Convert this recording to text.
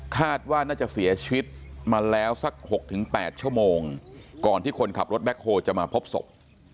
คาดว่าน่าจะเสียชีวิตมาแล้วสัก๖๘ชั่วโมงก่อนที่คนขับรถแบ็คโฮลจะมาพบศพ